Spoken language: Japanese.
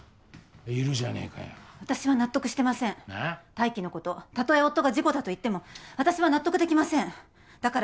泰生のことたとえ夫が事故だと言っても私は納得できませんだから。